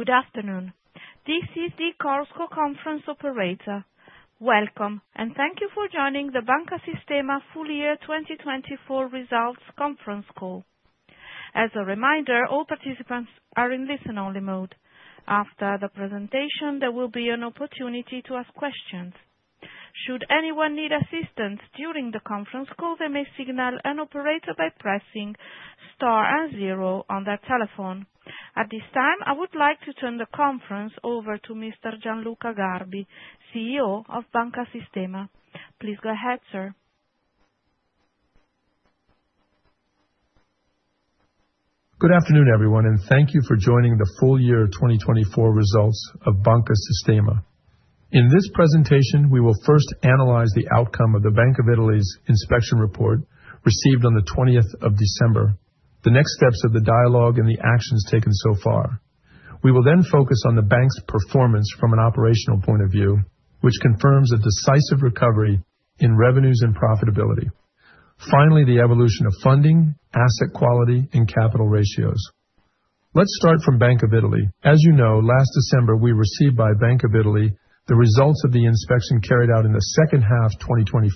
Good afternoon. This is the Chorus Call Conference Operator. Welcome, and thank you for joining the Banca Sistema Full Year 2024 Results Conference Call. As a reminder, all participants are in listen-only mode. After the presentation, there will be an opportunity to ask questions. Should anyone need assistance during the conference call, they may signal an operator by pressing star and 0 on their telephone. At this time, I would like to turn the conference over to Mr. Gianluca Garbi, CEO of Banca Sistema. Please go ahead, sir. Good afternoon, everyone, and thank you for joining the Full Year 2024 Results of Banca Sistema. In this presentation, we will first analyze the outcome of the Bank of Italy's inspection report received on the 20th of December, the next steps of the dialogue and the actions taken so far. We will then focus on the bank's performance from an operational point of view, which confirms a decisive recovery in revenues and profitability. Finally, the evolution of funding, asset quality, and capital ratios. Let's start from Bank of Italy. As you know, last December we received by Bank of Italy the results of the inspection carried out in the second half 2024,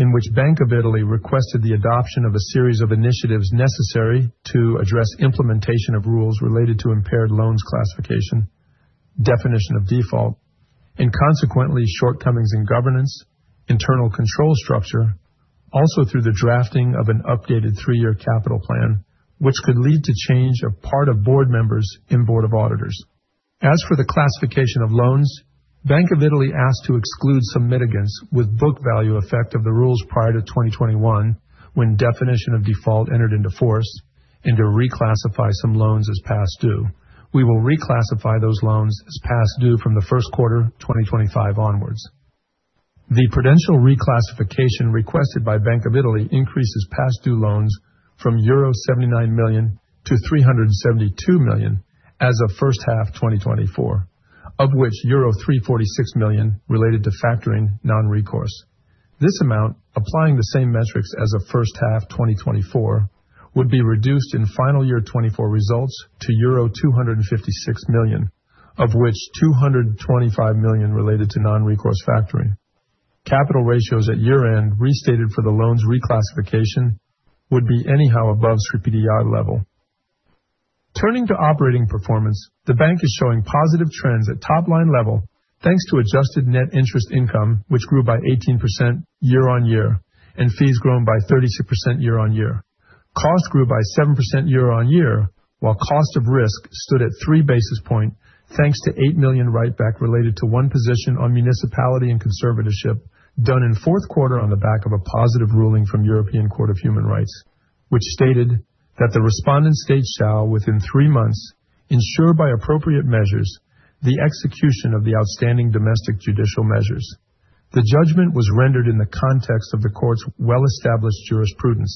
in which Bank of Italy requested the adoption of a series of initiatives necessary to address implementation of rules related to impaired loans classification, definition of default, and consequently shortcomings in governance, internal control structure, also through the drafting of an updated three-year capital plan, which could lead to change of part of board members in board of auditors. As for the classification of loans, Bank of Italy asked to exclude some mitigants with book value effect of the rules prior to 2021 when definition of default entered into force, and to reclassify some loans as past due. We will reclassify those loans as past due from the first quarter 2025 onwards. The prudential reclassification requested by Bank of Italy increases past-due loans from euro 79 million to 372 million as of first half 2024, of which euro 346 million related to factoring non-recourse. This amount, applying the same metrics as of first half 2024, would be reduced in final year 2024 results to euro 256 million, of which 225 million related to non-recourse factoring. Capital ratios at year-end restated for the loans' reclassification would be anyhow above CPDR level. Turning to operating performance, the bank is showing positive trends at top-line level thanks to adjusted net interest income, which grew by 18% year-on-year, and fees grown by 36% year-on-year. Cost grew by 7% year-on-year, while cost of risk stood at 3 basis points thanks to 8 million writeback related to one position on municipality and conservatorship done in fourth quarter on the back of a positive ruling from European Court of Human Rights, which stated that the respondent state shall, within three months, ensure by appropriate measures the execution of the outstanding domestic judicial measures. The judgment was rendered in the context of the court's well-established jurisprudence.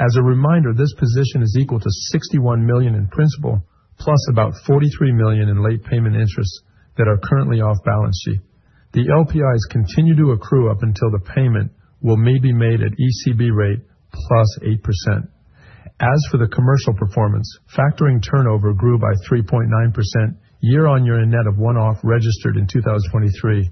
As a reminder, this position is equal to 61 million in principal plus about 43 million in late payment interests that are currently off balance sheet. The LPIs continue to accrue up until the payment will maybe made at ECB rate plus 8%. As for the commercial performance, factoring turnover grew by 3.9% year-on-year in net of one-off registered in 2023,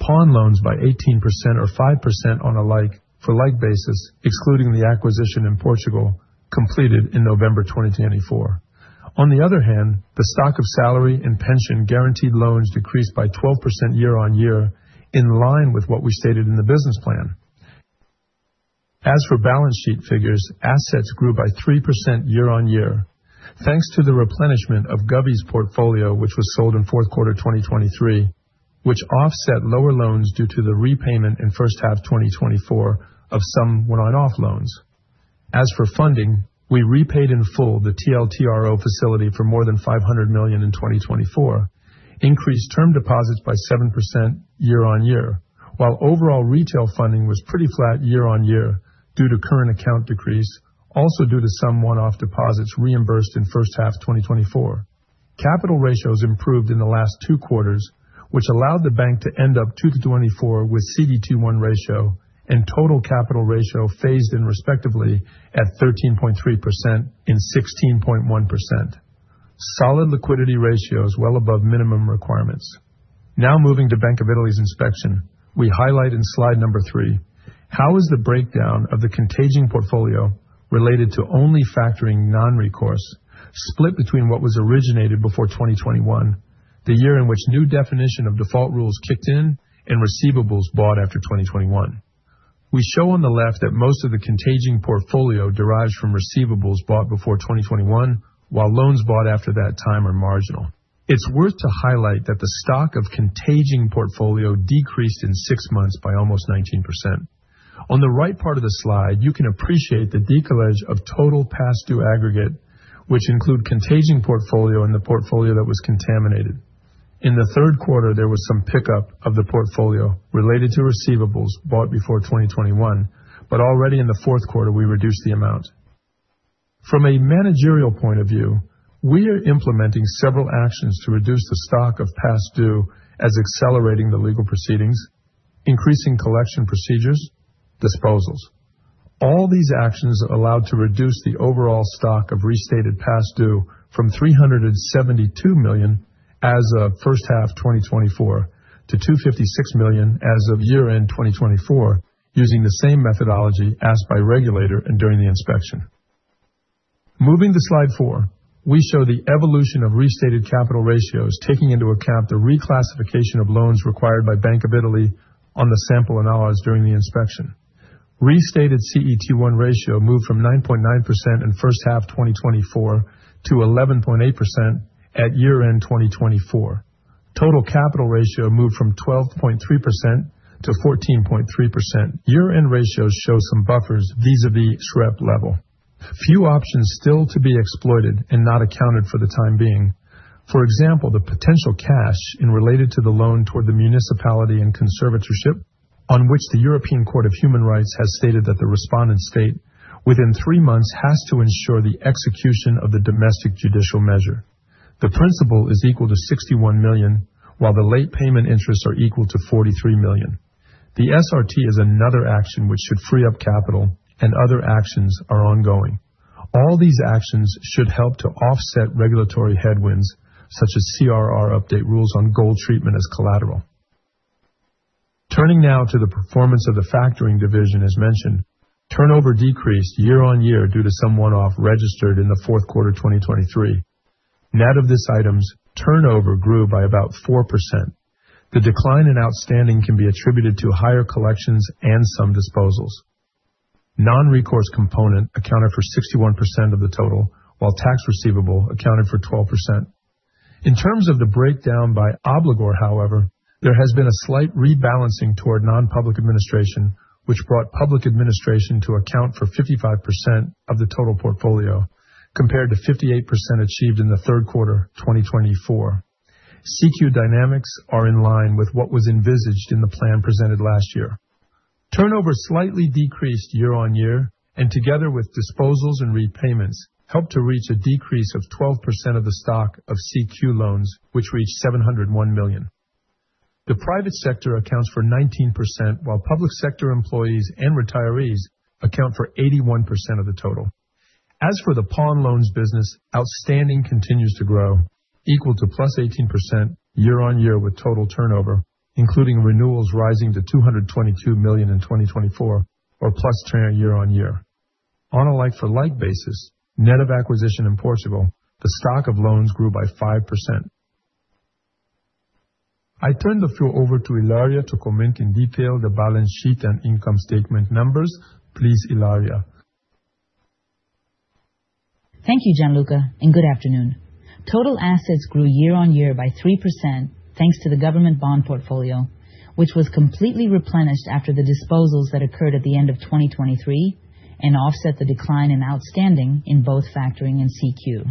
pawn loans by 18% or 5% on a like-for-like basis, excluding the acquisition in Portugal, completed in November 2024. On the other hand, the stock of salary and pension guaranteed loans decreased by 12% year-on-year in line with what we stated in the business plan. As for balance sheet figures, assets grew by 3% year-on-year thanks to the replenishment of Govvies portfolio, which was sold in fourth quarter 2023, which offset lower loans due to the repayment in first half 2024 of some one-off loans. As for funding, we repaid in full the TLTRO facility for more than 500 million in 2024, increased term deposits by 7% year-on-year, while overall retail funding was pretty flat year-on-year due to current account decrease, also due to some one-off deposits reimbursed in first half 2024. Capital ratios improved in the last two quarters, which allowed the bank to end 2024 with CET1 ratio and total capital ratio phased in respectively at 13.3% and 16.1%. Solid liquidity ratios well above minimum requirements. Now moving to Bank of Italy's inspection, we highlight in slide number 3 how is the breakdown of the contagion portfolio related to only factoring non-recourse split between what was originated before 2021, the year in which new definition of default rules kicked in, and receivables bought after 2021. We show on the left that most of the contagion portfolio derives from receivables bought before 2021, while loans bought after that time are marginal. It's worth to highlight that the stock of contagion portfolio decreased in six months by almost 19%. On the right part of the slide, you can appreciate the decalage of total past-due aggregate, which include contagion portfolio and the portfolio that was contaminated. In the third quarter, there was some pickup of the portfolio related to receivables bought before 2021, but already in the fourth quarter we reduced the amount. From a managerial point of view, we are implementing several actions to reduce the stock of past due as accelerating the legal proceedings, increasing collection procedures, disposals. All these actions allowed to reduce the overall stock of restated past due from 372 million as of first half 2024 to 256 million as of year-end 2024 using the same methodology asked by regulator and during the inspection. Moving to slide 4, we show the evolution of restated capital ratios taking into account the reclassification of loans required by Bank of Italy on the sample and hours during the inspection. Restated CET1 ratio moved from 9.9% in first half 2024 to 11.8% at year-end 2024. Total capital ratio moved from 12.3% to 14.3%. Year-end ratios show some buffers vis-à-vis SREP level. Few options still to be exploited and not accounted for the time being. For example, the potential cash in related to the loan toward the municipality and conservatorship, on which the European Court of Human Rights has stated that the respondent state, within three months has to ensure the execution of the domestic judicial measure. The principal is equal to 61 million, while the late payment interests are equal to 43 million. The SRT is another action which should free up capital, and other actions are ongoing. All these actions should help to offset regulatory headwinds such as CRR update rules on gold treatment as collateral. Turning now to the performance of the factoring division, as mentioned, turnover decreased year-on-year due to some one-off registered in the fourth quarter 2023. Net of this items, turnover grew by about 4%. The decline in outstanding can be attributed to higher collections and some disposals. Non-recourse component accounted for 61% of the total, while tax receivable accounted for 12%. In terms of the breakdown by obligor, however, there has been a slight rebalancing toward non-public administration, which brought public administration to account for 55% of the total portfolio, compared to 58% achieved in the third quarter 2024. CQ dynamics are in line with what was envisaged in the plan presented last year. Turnover slightly decreased year-on-year, and together with disposals and repayments helped to reach a decrease of 12% of the stock of CQ loans, which reached 701 million. The private sector accounts for 19%, while public sector employees and retirees account for 81% of the total. As for the pawn loans business, outstanding continues to grow, equal to +18% year-on-year with total turnover, including renewals rising to 222 million in 2024 or + year-on-year. On a like-for-like basis, net of acquisition in Portugal, the stock of loans grew by 5%. I turn the floor over to Ilaria to comment in detail the balance sheet and income statement numbers. Please, Ilaria. Thank you, Gianluca, and good afternoon. Total assets grew year-on-year by 3% thanks to the government bond portfolio, which was completely replenished after the disposals that occurred at the end of 2023 and offset the decline in outstanding in both factoring and CQ.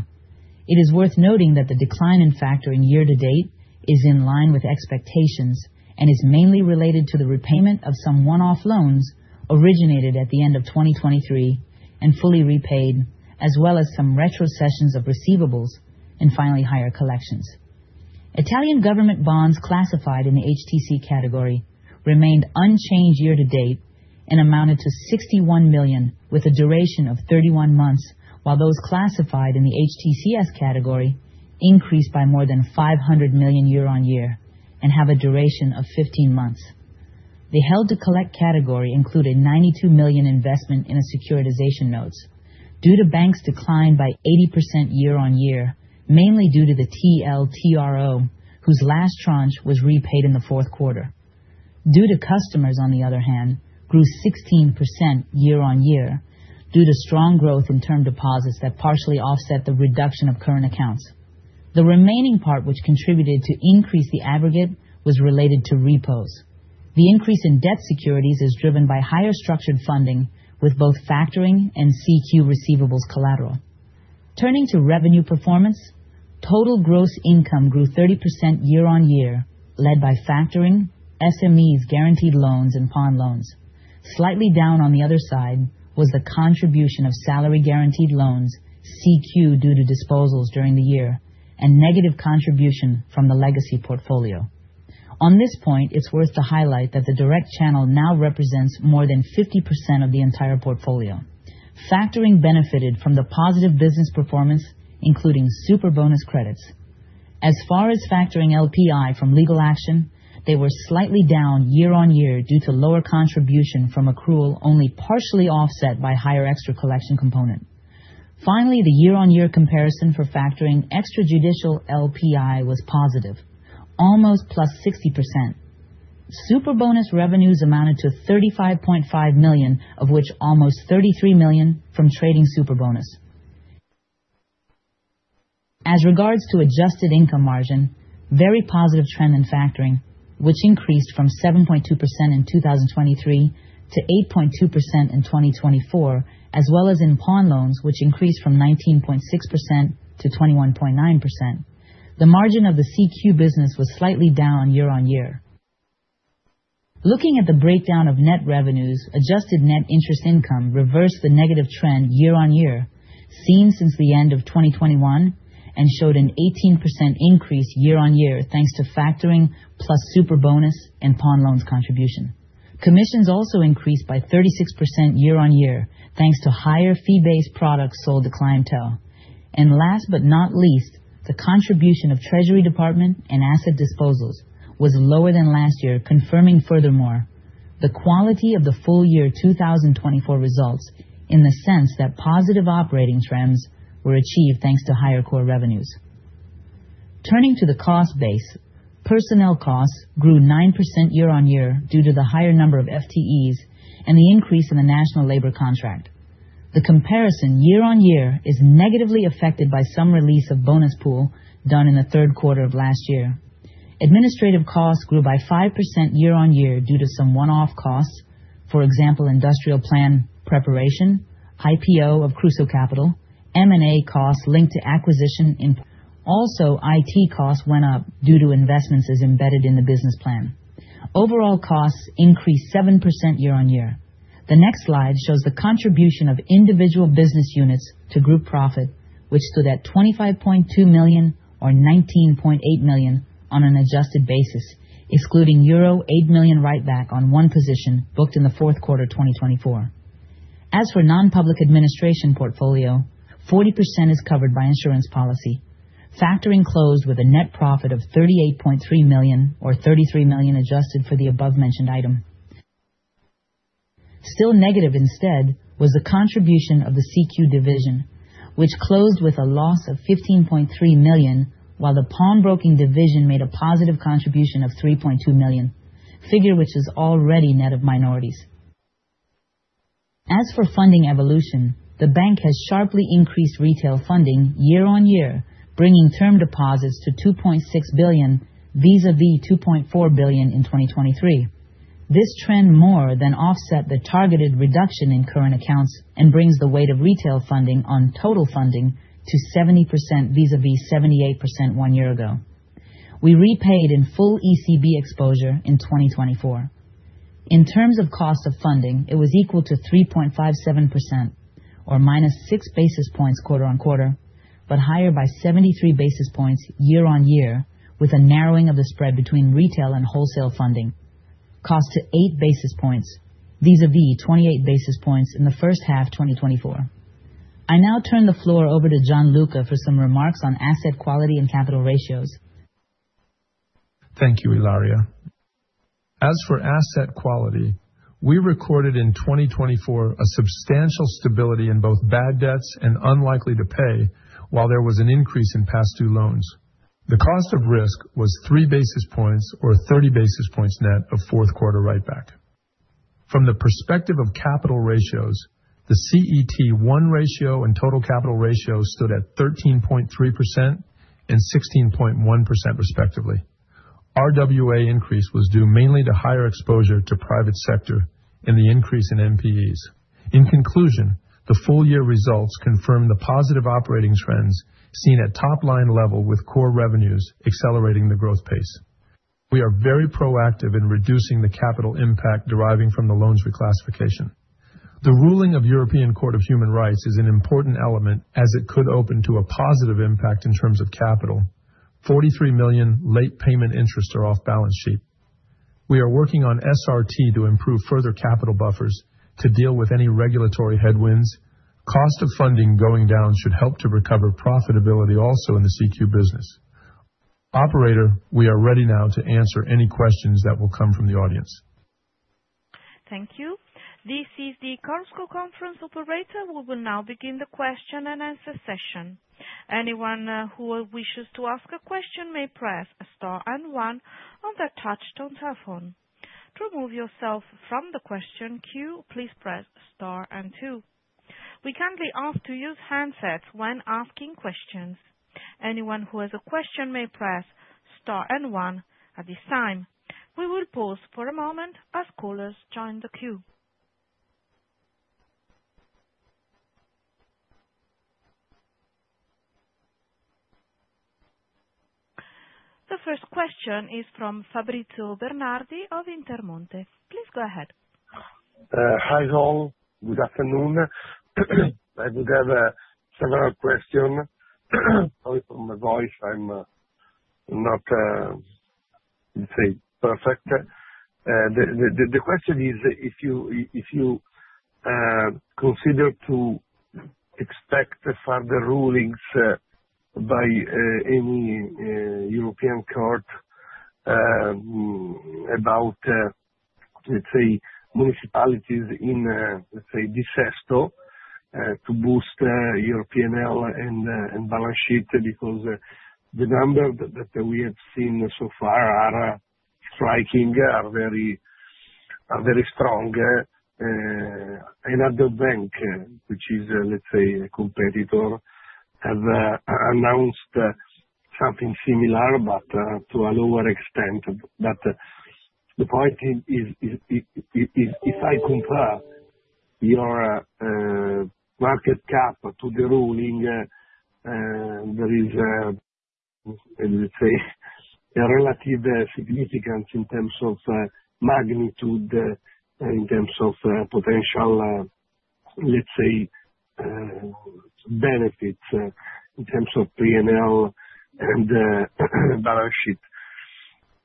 It is worth noting that the decline in factoring year-to-date is in line with expectations and is mainly related to the repayment of some one-off loans originated at the end of 2023 and fully repaid, as well as some retrocessions of receivables and finally higher collections. Italian government bonds classified in the HTC category remained unchanged year-to-date and amounted to 61 million with a duration of 31 months, while those classified in the HTCS category increased by more than 500 million year-on-year and have a duration of 15 months. The held-to-collect category included 92 million investment in securitization notes, due to banks decline by 80% year-on-year, mainly due to the TLTRO, whose last tranche was repaid in the fourth quarter. Due to customers, on the other hand, grew 16% year-on-year due to strong growth in term deposits that partially offset the reduction of current accounts. The remaining part which contributed to increase the aggregate was related to repos. The increase in debt securities is driven by higher structured funding with both factoring and CQ receivables collateral. Turning to revenue performance, total gross income grew 30% year-on-year led by factoring, SMEs guaranteed loans, and pawn loans. Slightly down on the other side was the contribution of salary guaranteed loans, CQ due to disposals during the year, and negative contribution from the legacy portfolio. On this point, it's worth to highlight that the direct channel now represents more than 50% of the entire portfolio. Factoring benefited from the positive business performance, including Superbonus credits. As far as factoring LPI from legal action, they were slightly down year-on-year due to lower contribution from accrual only partially offset by higher extra collection component. Finally, the year-on-year comparison for factoring extrajudicial LPI was positive, almost +60%. Superbonus revenues amounted to 35.5 million, of which almost 33 million from trading Superbonus. As regards to adjusted income margin, very positive trend in factoring, which increased from 7.2% in 2023 to 8.2% in 2024, as well as in pawn loans, which increased from 19.6% to 21.9%. The margin of the CQ business was slightly down year-on-year. Looking at the breakdown of net revenues, adjusted net interest income reversed the negative trend year-on-year seen since the end of 2021 and showed an 18% increase year-on-year thanks to factoring plus super bonus and pawn loans contribution. Commissions also increased by 36% year-on-year thanks to higher fee-based products sold to clientele. And last but not least, the contribution of Treasury Department and asset disposals was lower than last year, confirming furthermore the quality of the full year 2024 results in the sense that positive operating trends were achieved thanks to higher core revenues. Turning to the cost base, personnel costs grew 9% year-on-year due to the higher number of FTEs and the increase in the national labor contract. The comparison year-on-year is negatively affected by some release of bonus pool done in the third quarter of last year. Administrative costs grew by 5% year-on-year due to some one-off costs, for example, industrial plan preparation, IPO of Kruso Kapital, M&A costs linked to acquisition in. Also, IT costs went up due to investments as embedded in the business plan. Overall costs increased 7% year-on-year. The next slide shows the contribution of individual business units to group profit, which stood at 25.2 million or 19.8 million on an adjusted basis, excluding euro 8 million writeback on one position booked in the fourth quarter 2024. As for non-public administration portfolio, 40% is covered by insurance policy. Factoring closed with a net profit of 38.3 million or 33 million adjusted for the above-mentioned item. Still negative instead was the contribution of the CQ division, which closed with a loss of 15.3 million while the pawn-broking division made a positive contribution of 3.2 million, figure which is already net of minorities. As for funding evolution, the bank has sharply increased retail funding year-over-year, bringing term deposits to 2.6 billion vis-à-vis 2.4 billion in 2023. This trend more than offset the targeted reduction in current accounts and brings the weight of retail funding on total funding to 70% vis-à-vis 78% one year ago. We repaid in full ECB exposure in 2024. In terms of cost of funding, it was equal to 3.57% or minus 6 basis points quarter-over-quarter, but higher by 73 basis points year-over-year with a narrowing of the spread between retail and wholesale funding, cost to 8 basis points vis-à-vis 28 basis points in the first half 2024. I now turn the floor over to Gianluca for some remarks on asset quality and capital ratios. Thank you, Ilaria. As for asset quality, we recorded in 2024 a substantial stability in both bad debts and unlikely to pay while there was an increase in past due loans. The cost of risk was three basis points or 30 basis points net of fourth quarter writeback. From the perspective of capital ratios, the CET1 ratio and total capital ratio stood at 13.3% and 16.1% respectively. RWA increase was due mainly to higher exposure to private sector and the increase in NPEs. In conclusion, the full year results confirm the positive operating trends seen at top-line level with core revenues accelerating the growth pace. We are very proactive in reducing the capital impact deriving from the loans reclassification. The ruling of European Court of Human Rights is an important element as it could open to a positive impact in terms of capital. 43 million late payment interests are off balance sheet. We are working on SRT to improve further capital buffers to deal with any regulatory headwinds. Cost of funding going down should help to recover profitability also in the CQ business. Operator, we are ready now to answer any questions that will come from the audience. Thank you. This is the Chorus Call Conference Operator. We will now begin the question and answer session. Anyone who wishes to ask a question may press star and one on the touch-tone telephone. To remove yourself from the question queue, please press star and two. We kindly ask to use handsets when asking questions. Anyone who has a question may press star and one at this time. We will pause for a moment as callers join the queue. The first question is from Fabrizio Bernardi of Intermonte. Please go ahead. Hi all. Good afternoon. I would have several questions. Sorry for my voice. I'm not, let's say, perfect. The question is if you consider to expect further rulings by any European court about, let's say, municipalities in, let's say, dissesto to boost LPI and balance sheet because the numbers that we have seen so far are striking, are very strong. Another bank, which is, let's say, a competitor, has announced something similar but to a lower extent. But the point is if I compare your market cap to the ruling, there is, let's say, a relative significance in terms of magnitude, in terms of potential, let's say, benefits in terms of P&L and balance sheet.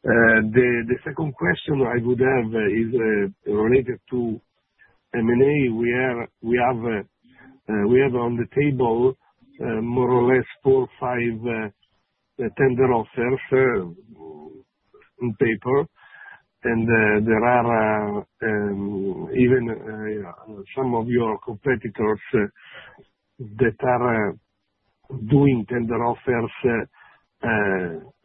The second question I would have is related to M&A. We have on the table more or less 4, 5 tender offers on paper, and there are even some of your competitors that are doing tender offers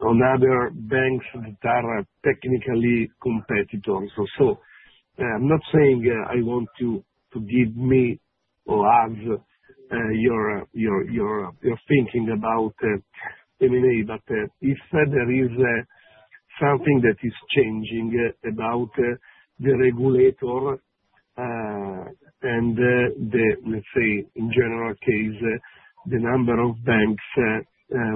on other banks that are technically competitors. So I'm not saying I want you to give me or add your thinking about M&A, but if there is something that is changing about the regulator and the, let's say, in general case, the number of banks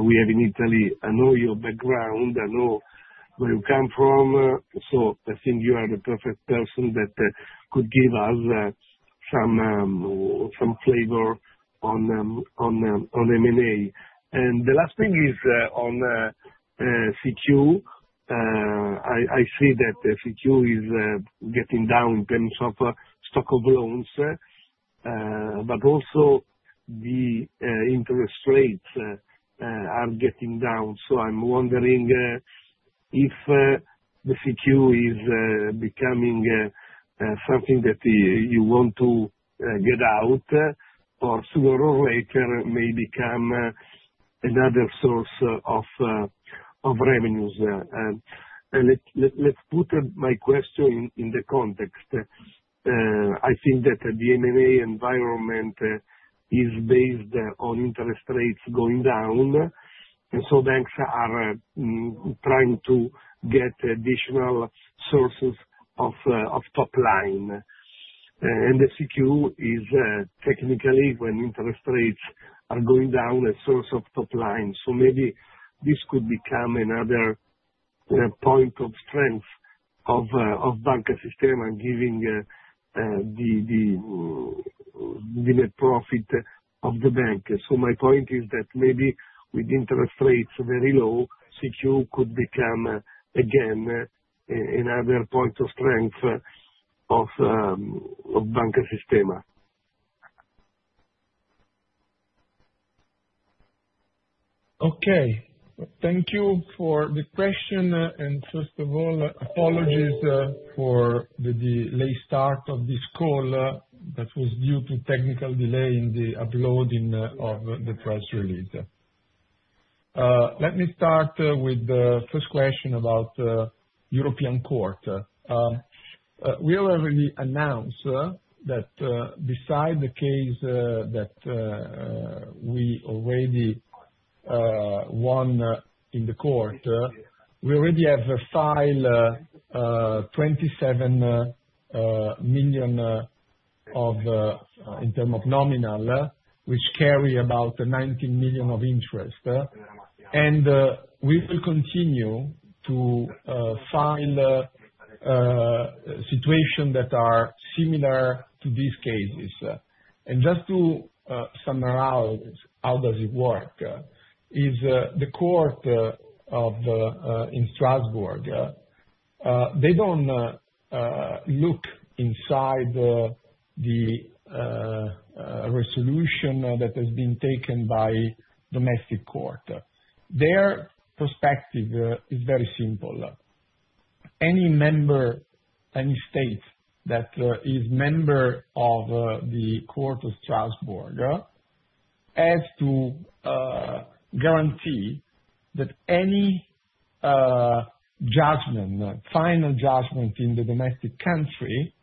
we have in Italy. I know your background. I know where you come from. So I think you are the perfect person that could give us some flavor on M&A. And the last thing is on CQ. I see that CQ is getting down in terms of stock of loans, but also the interest rates are getting down. So I'm wondering if the CQ is becoming something that you want to get out or sooner or later may become another source of revenues. Let's put my question in the context. I think that the M&A environment is based on interest rates going down, and so banks are trying to get additional sources of top line. And the CQ is technically, when interest rates are going down, a source of top line. So maybe this could become another point of strength of Banca Sistema giving the net profit of the bank. So my point is that maybe with interest rates very low, CQ could become, again, another point of strength of Banca Sistema. Okay. Thank you for the question. And first of all, apologies for the late start of this call that was due to technical delay in the uploading of the press release. Let me start with the first question about European court. We already announced that beside the case that we already won in the court, we already have file 27 million in terms of nominal, which carry about 19 million of interest. We will continue to file situations that are similar to these cases. Just to summarize how does it work, is the court in Strasbourg, they don't look inside the resolution that has been taken by domestic court. Their perspective is very simple. Any member, any state that is member of the court of Strasbourg has to guarantee that any judgment, final judgment in the domestic country,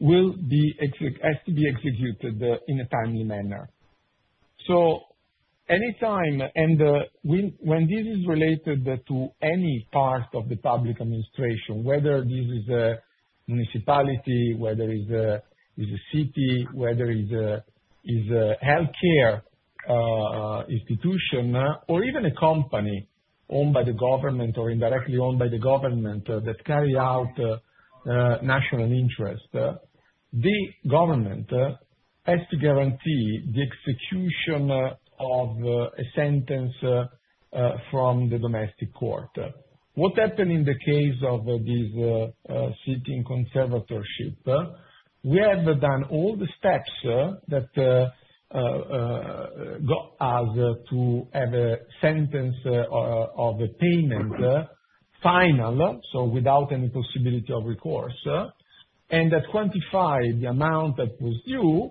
has to be executed in a timely manner. So anytime and when this is related to any part of the public administration, whether this is a municipality, whether it's a city, whether it's a healthcare institution, or even a company owned by the government or indirectly owned by the government that carry out national interest, the government has to guarantee the execution of a sentence from the domestic court. What happened in the case of this city in conservatorship, we have done all the steps that got us to have a sentence of payment final, so without any possibility of recourse, and that quantified the amount that was due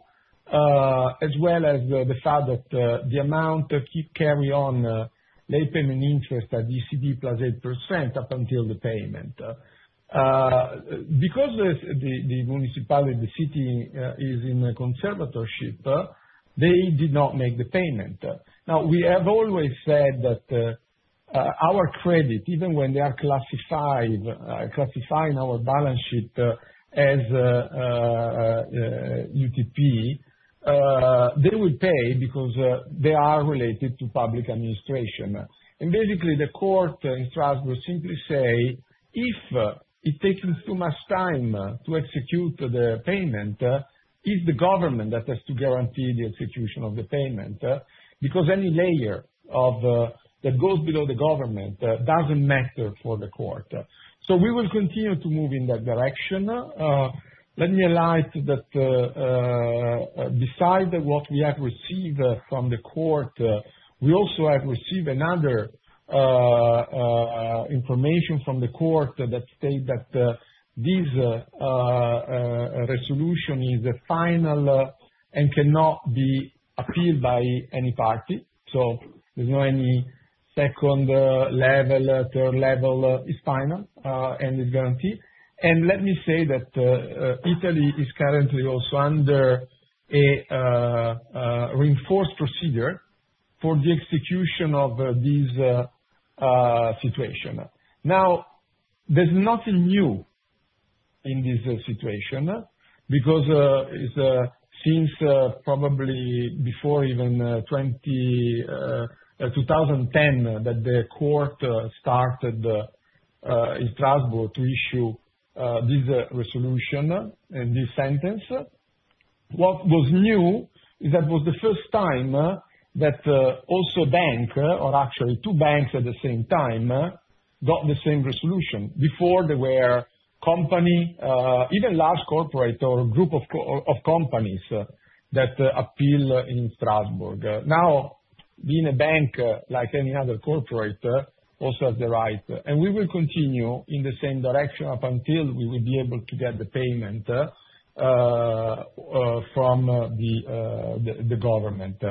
as well as the fact that the amount carry on late payment interest at ECB plus 8% up until the payment. Because the municipality, the city, is in conservatorship, they did not make the payment. Now, we have always said that our credit, even when they are classifying our balance sheet as UTP, they will pay because they are related to public administration. And basically, the court in Strasbourg simply say, "If it takes too much time to execute the payment, it's the government that has to guarantee the execution of the payment because any layer that goes below the government doesn't matter for the court." So we will continue to move in that direction. Let me highlight that besides what we have received from the court, we also have received another information from the court that state that this resolution is final and cannot be appealed by any party. So there's no any second level, third level. It's final and it's guaranteed. And let me say that Italy is currently also under a reinforced procedure for the execution of this situation. Now, there's nothing new in this situation because since probably before even 2010 that the court started in Strasbourg to issue this resolution and this sentence. What was new is that was the first time that also a bank, or actually two banks at the same time, got the same resolution. Before, there were company, even large corporate or group of companies that appeal in Strasbourg. Now, being a bank like any other corporate also has the right. And we will continue in the same direction up until we will be able to get the payment from the government.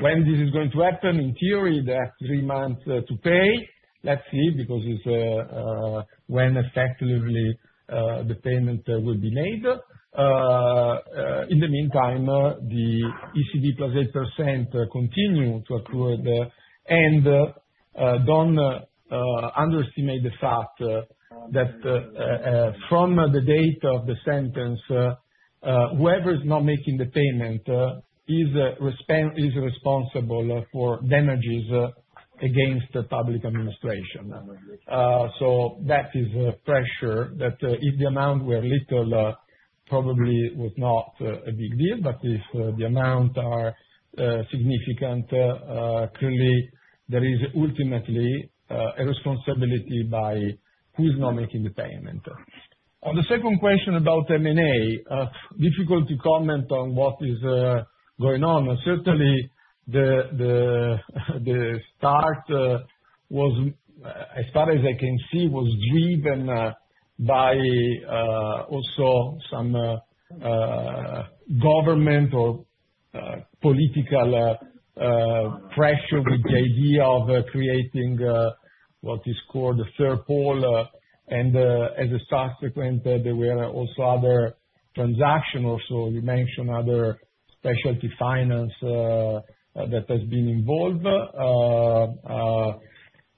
When this is going to happen, in theory, they have three months to pay. Let's see because it's when effectively the payment will be made. In the meantime, the ECB + 8% continue to accrue, and don't underestimate the fact that from the date of the sentence, whoever is not making the payment is responsible for damages against the public administration. So that is pressure that if the amount were little, probably was not a big deal. But if the amounts are significant, clearly there is ultimately a responsibility by who's not making the payment. On the second question about M&A, difficult to comment on what is going on. Certainly, the start was, as far as I can see, was driven by also some government or political pressure with the idea of creating what is called a third pole. And as a subsequent, there were also other transactions. So you mentioned other specialty finance that has been involved.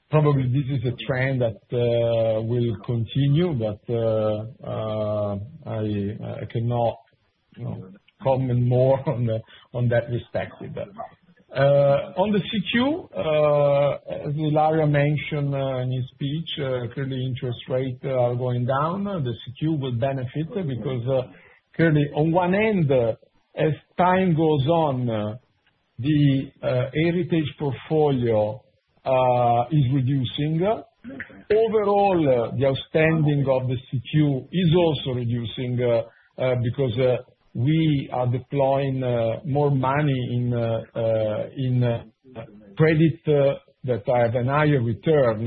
Probably this is a trend that will continue, but I cannot comment more on that respect. On the CQ, as Ilaria mentioned in her speech, clearly interest rates are going down. The CQ will benefit because clearly, on one end, as time goes on, the heritage portfolio is reducing. Overall, the outstanding of the CQ is also reducing because we are deploying more money in credit that have a higher return.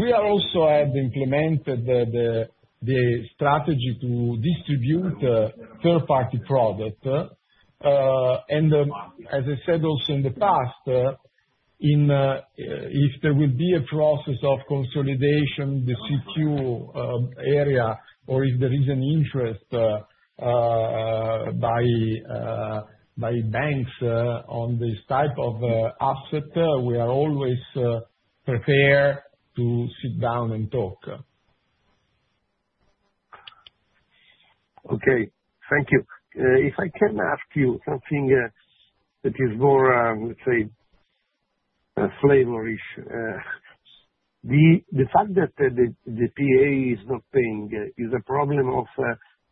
We have also implemented the strategy to distribute third-party product. And as I said also in the past, if there will be a process of consolidation, the CQ area, or if there is an interest by banks on this type of asset, we are always prepared to sit down and talk. Okay. Thank you. If I can ask you something that is more, let's say, flavorish, the fact that the PA is not paying is a problem of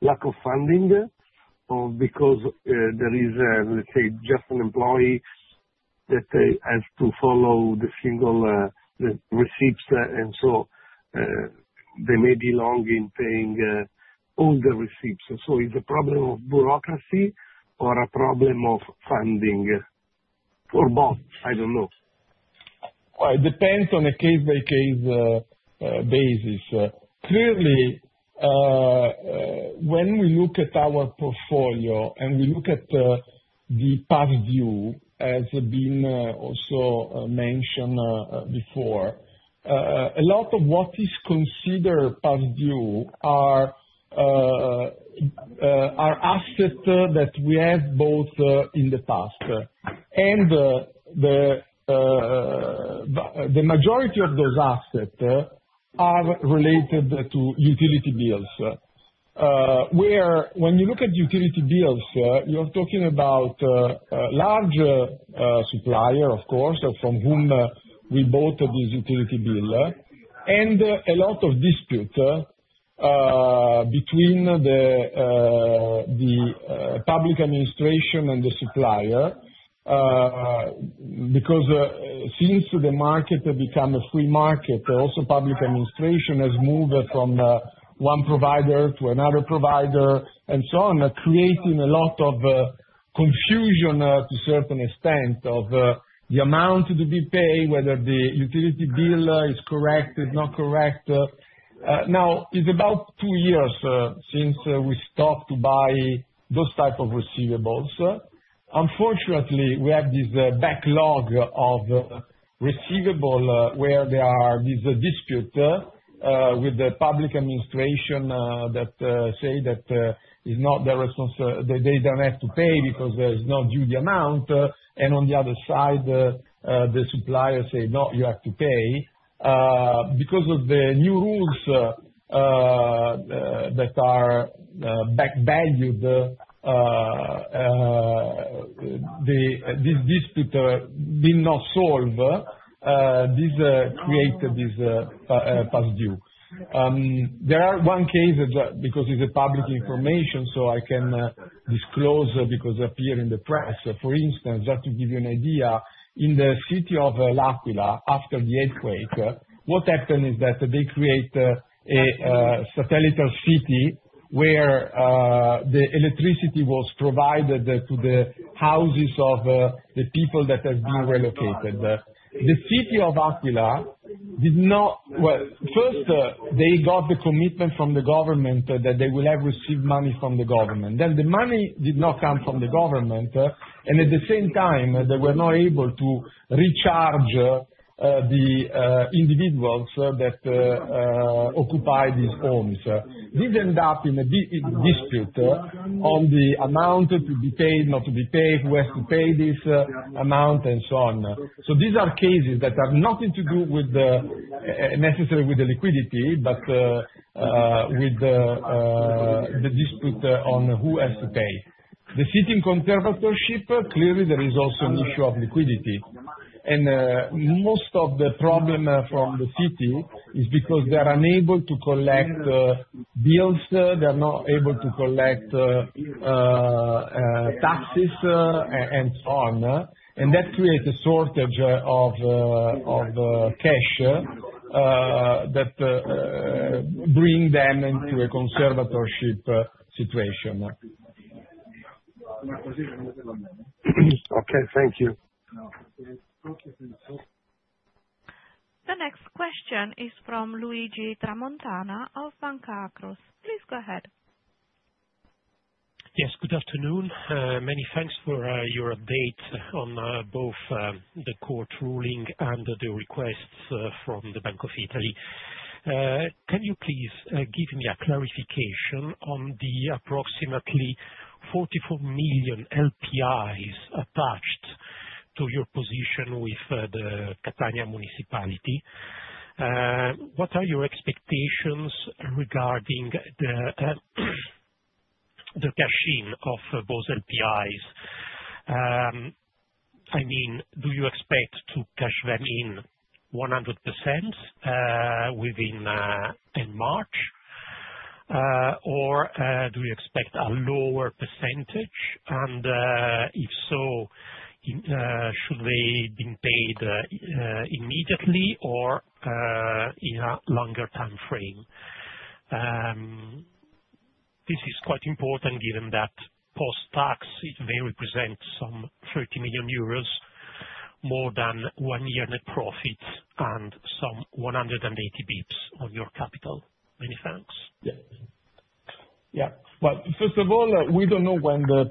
lack of funding because there is, let's say, just an employee that has to follow the single receipts. And so they may be long in paying all the receipts. So is it a problem of bureaucracy or a problem of funding? Or both? I don't know. Well, it depends on a case-by-case basis. Clearly, when we look at our portfolio and we look at the past due, as has been also mentioned before, a lot of what is considered past due are assets that we bought in the past. And the majority of those assets are related to utility bills. Where, when you look at utility bills, you are talking about a large supplier, of course, from whom we bought this utility bill and a lot of dispute between the public administration and the supplier because since the market became a free market, also public administration has moved from one provider to another provider and so on, creating a lot of confusion to a certain extent of the amount to be paid, whether the utility bill is correct, is not correct. Now, it's about two years since we stopped to buy those type of receivables. Unfortunately, we have this backlog of receivable where there are these disputes with the public administration that say that it's not their responsibility. They don't have to pay because there is no due amount. On the other side, the suppliers say, "No, you have to pay." Because of the new rules that are backvalued, this dispute did not solve. This created this past due. There are one case because it's a public information, so I can disclose because it appeared in the press. For instance, just to give you an idea, in the city of L'Aquila after the earthquake, what happened is that they create a satellite city where the electricity was provided to the houses of the people that have been relocated. The city of L'Aquila did not well. First, they got the commitment from the government that they will have received money from the government. Then the money did not come from the government. And at the same time, they were not able to recharge the individuals that occupied these homes. This ended up in a dispute on the amount to be paid, not to be paid, who has to pay this amount, and so on. So these are cases that are nothing to do necessarily with the liquidity, but with the dispute on who has to pay. The city in conservatorship, clearly, there is also an issue of liquidity. And most of the problem from the city is because they are unable to collect bills. They are not able to collect taxes and so on. And that creates a shortage of cash that brings them into a conservatorship situation. Okay. Thank you. The next question is from Luigi Tramontana of Banca Akros. Please go ahead. Yes. Good afternoon. Many thanks for your update on both the court ruling and the requests from the Bank of Italy. Can you please give me a clarification on the approximately 44 million LPIs attached to your position with the Catania municipality? What are your expectations regarding the cash-in of those LPIs? I mean, do you expect to cash them in 100% within end March, or do you expect a lower percentage? And if so, should they have been paid immediately or in a longer time frame? This is quite important given that post-tax, it may represent some 30 million euros more than one year net profit and some 180 basis points on your capital. Many thanks. Yep. Yeah. Well, first of all, we don't know when the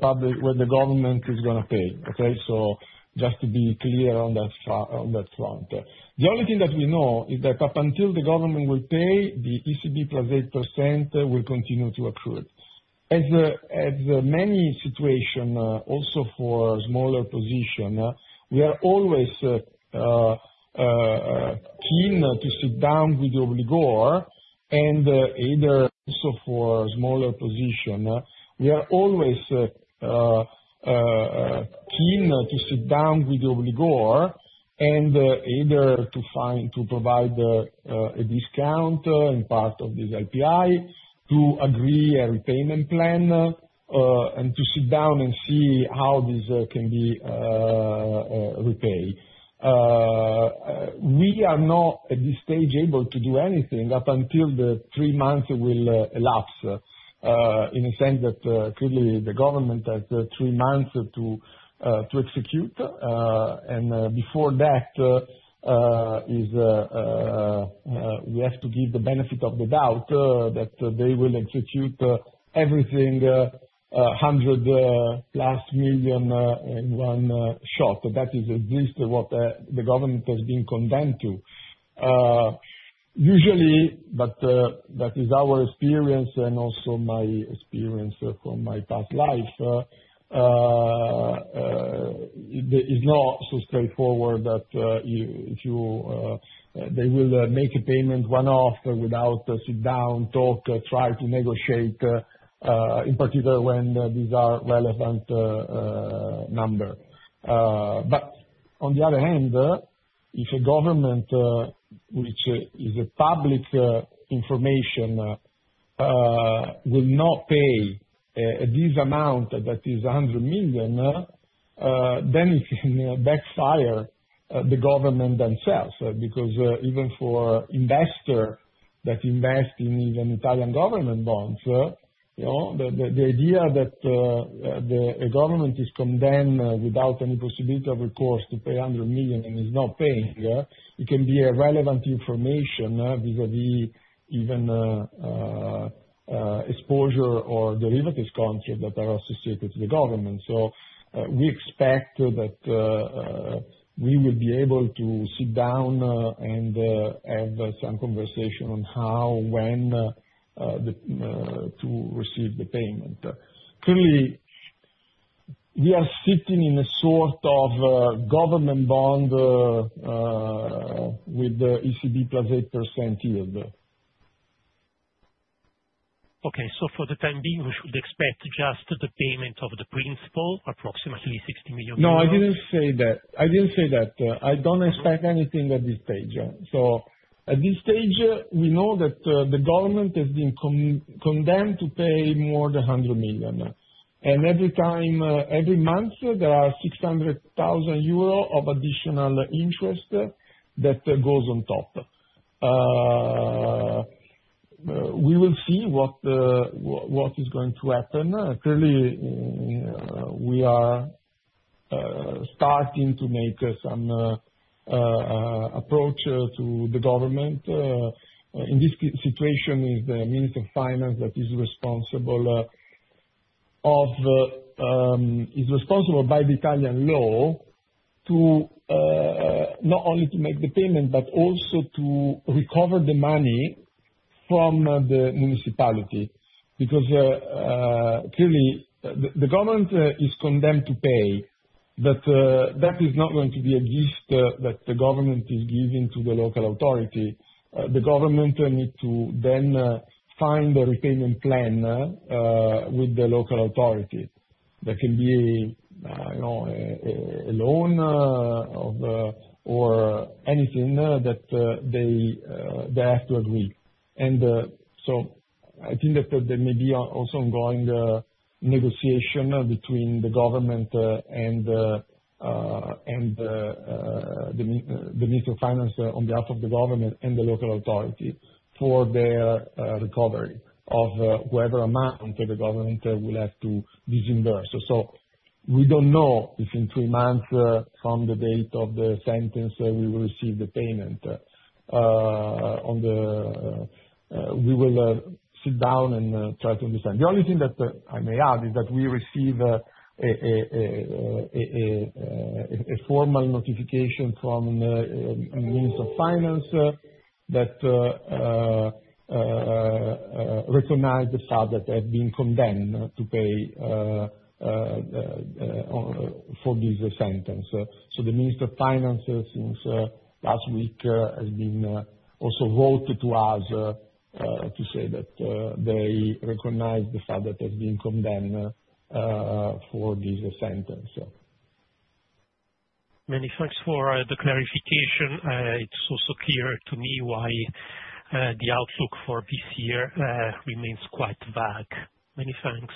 government is going to pay, okay? So just to be clear on that front. The only thing that we know is that up until the government will pay, the ECB plus 8% will continue to accrue. As many situations, also for smaller position, we are always keen to sit down with the obligor. And either. Also for smaller position, we are always keen to sit down with the obligor and either to provide a discount in part of this LPI, to agree a repayment plan, and to sit down and see how this can be repaid. We are not at this stage able to do anything up until the three months will elapse in a sense that clearly, the government has three months to execute. Before that, we have to give the benefit of the doubt that they will execute everything 100+ million in one shot. That is at least what the government has been condemned to. Usually, but that is our experience and also my experience from my past life, it is not so straightforward that they will make a payment one-off without sitting down, talk, try to negotiate, in particular when these are relevant numbers. But on the other hand, if a government, which is a public information, will not pay this amount that is 100 million, then it can backfire the government themselves. Because even for investors that invest in even Italian government bonds, the idea that a government is condemned without any possibility of recourse to pay 100 million and is not paying, it can be irrelevant information vis-à-vis even exposure or derivatives contract that are associated with the government. So we expect that we will be able to sit down and have some conversation on how, when, to receive the payment. Clearly, we are sitting in a sort of government bond with the ECB + 8% yield. Okay. For the time being, we should expect just the payment of the principal, approximately 60 million. No, I didn't say that. I didn't say that. I don't expect anything at this stage. So at this stage, we know that the government has been condemned to pay more than 100 million. And every month, there are 600,000 euro of additional interest that goes on top. We will see what is going to happen. Clearly, we are starting to make some approach to the government. In this situation, it's the Minister of Finance that is responsible by the Italian law not only to make the payment but also to recover the money from the municipality. Because clearly, the government is condemned to pay, but that is not going to be a gift that the government is giving to the local authority. The government needs to then find a repayment plan with the local authority that can be a loan or anything that they have to agree. And so I think that there may be also ongoing negotiation between the government and the Minister of Finance on behalf of the government and the local authority for their recovery of whatever amount the government will have to disburse. So we don't know if in three months, from the date of the sentence, we will receive the payment. We will sit down and try to understand. The only thing that I may add is that we receive a formal notification from the Minister of Finance that recognized the fact that they have been condemned to pay for this sentence. So the Minister of Finance, since last week, has been also wrote to us to say that they recognize the fact that they have been condemned for this sentence. Many thanks for the clarification. It's also clear to me why the outlook for this year remains quite vague. Many thanks.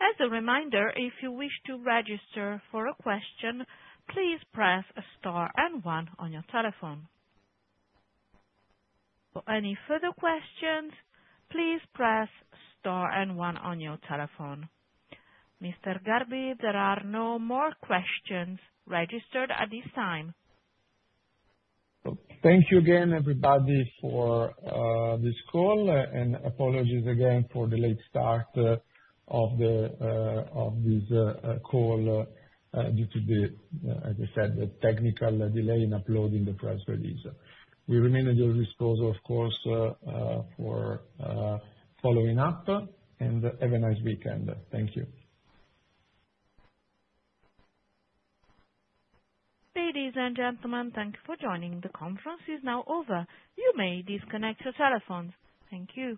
As a reminder, if you wish to register for a question, please press star and one on your telephone. For any further questions, please press star and one on your telephone. Mr. Garbi, there are no more questions registered at this time. Thank you again, everybody, for this call. Apologies again for the late start of this call due to, as I said, the technical delay in uploading the press release. We remain at your disposal, of course, for following up. Have a nice weekend. Thank you. Ladies and gentlemen, thank you for joining. The conference is now over. You may disconnect your telephones. Thank you.